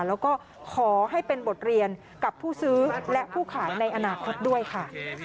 แล้วก็ขอให้เป็นบทเรียนกับผู้ซื้อและผู้ขายในอนาคตด้วยค่ะ